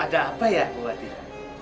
ada apa ya bu adita